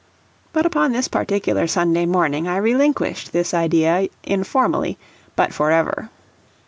But upon this particular Sunday morning I relinquished this idea informally, but forever.